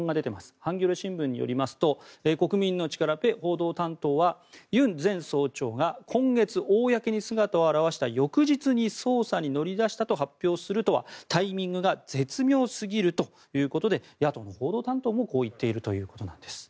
ハンギョレ新聞によりますと国民の力、ペ報道担当はユン前総長が今月、公に姿を現した翌日に捜査に乗り出したと発表するとはタイミングが絶妙すぎるということで野党の報道担当もこう言っているということです。